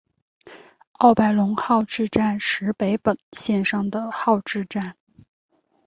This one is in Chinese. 奥白泷号志站石北本线上的号志站。